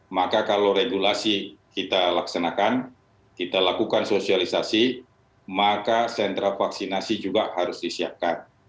maka kalau regulasi kita laksanakan kita lakukan sosialisasi maka sentra vaksinasi juga harus disiapkan